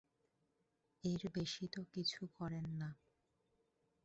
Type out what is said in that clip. এর বেশি তো কিছু করেন না!